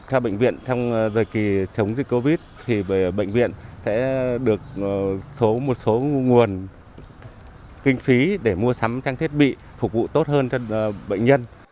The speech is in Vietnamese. theo bệnh viện trong thời kỳ chống dịch covid thì bệnh viện sẽ được một số nguồn kinh phí để mua sắm trang thiết bị phục vụ tốt hơn cho bệnh nhân